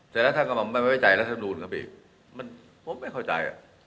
แต่รัฐกรรมมันไม่ไว้จ่ายรัฐมนุษย์ครับอีกมันผมไม่เข้าใจอ่ะ